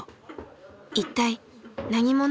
一体何者？